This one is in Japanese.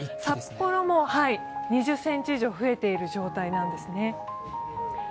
札幌も２０ｃｍ以上増えている状態なんですね。